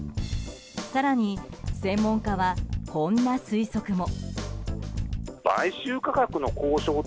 更に専門家は、こんな推測も。